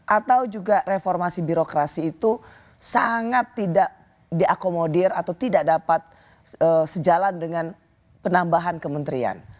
atau juga reformasi birokrasi itu sangat tidak diakomodir atau tidak dapat sejalan dengan penambahan kementerian